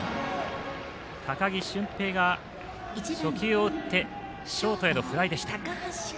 高木馴平が初球を打ってショートへのフライでした。